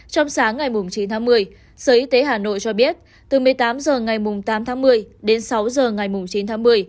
trong sáng ngày chín tháng một mươi sở y tế hà nội cho biết từ một mươi tám h ngày tám tháng một mươi đến sáu h ngày chín tháng một mươi